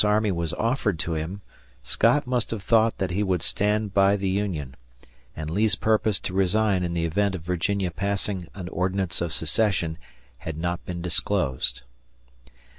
Army was offered to him, Scott must have thought that he would stand by the Union, and Lee's purpose to resign in the event of Virginia passing an ordinance of secession had not been disclosed.